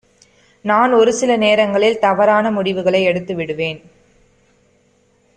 நான் ஒரு சில நேரங்களில் தவறான முடிவுகளை எடுத்து விடுவேன்.